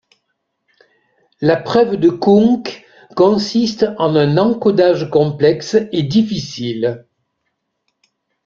La preuve de Kunc consiste en un encodage complexe et difficile.